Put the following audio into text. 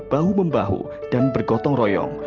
bahu membahu dan bergotong royong